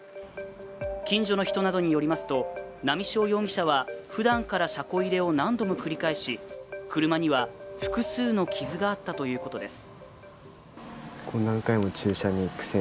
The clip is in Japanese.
近所の人などによりますと、波汐容疑者はふだんから車庫入れを何度も繰り返し車には複数の傷があったということです。